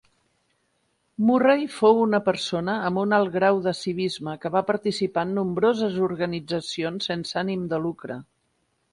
Murray fou una persona amb un alt grau de civisme que va participar en nombroses organitzacions sense ànim de lucre.